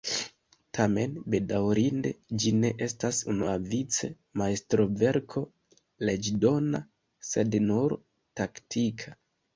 Tamen, bedaŭrinde, ĝi ne estas unuavice majstroverko leĝdona sed nur taktika.